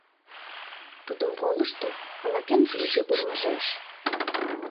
Тудым колыштын, ала-кӧн пийже урмыжеш.